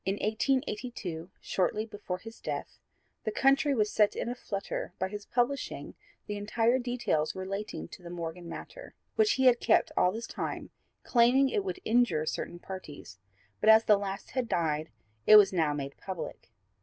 In 1882, shortly before his death, the country was set in a flutter by his publishing the whole details relating to the Morgan matter, which he had kept all this time claiming it would injure certain parties, but as the last had died, it was now made public.